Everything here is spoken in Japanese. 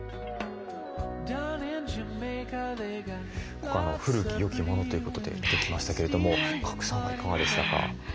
今回古き良きものということで見てきましたけれども賀来さんはいかがでしたか？